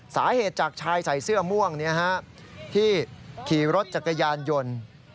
สาเหตุจากชายใส่เสื้อม่วงที่ขี่รถจักรยานยนต์